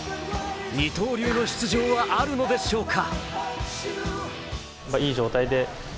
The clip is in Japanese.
二刀流の出場はあるのでしょうか。